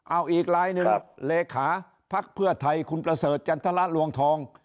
เอาอีกลายหนึ่งเลขาภักดิ์เพื่อไทยคุณประเสริฐจันทรลวงทอง